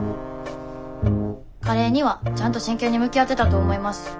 カレーにはちゃんと真剣に向き合ってたと思います。